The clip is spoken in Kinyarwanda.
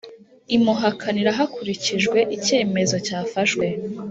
imuhakanira hakurikijwe icyemezo cyafashwe